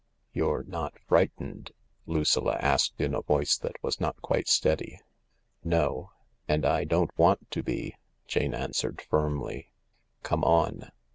"You're not frightened ?" Lucilla asked, in a voice that was not quite steady, "No — and I don't want to be," Jane answered firmly. "Come on."